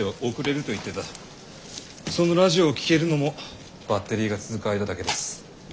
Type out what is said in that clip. そのラジオを聞けるのもバッテリーが続く間だけです。